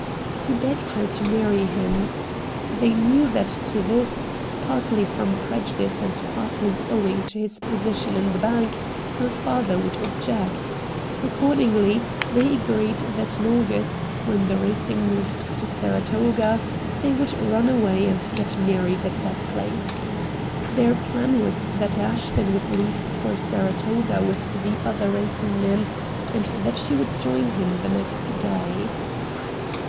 He begged her to marry him. They knew that to this, partly from prejudice and partly owing to his position in the bank, her father would object. Accordingly they agreed that in August, when the racing moved to Saratoga, they would run away and get married at that place. Their plan was that Ashton would leave for Saratoga with the other racing men, and that she would join him the next day.